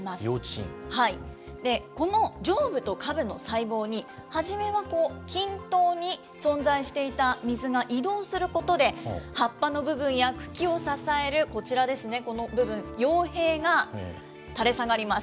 はい、この上部と下部の細胞に、初めは均等に存在していた水が移動することで、葉っぱの部分や、茎を支える、こちらですね、この部分、葉柄が垂れ下がります。